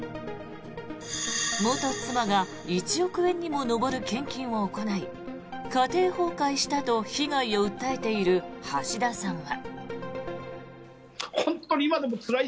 元妻が１億円にも上る献金を行い家庭崩壊したと被害を訴えている橋田さんは。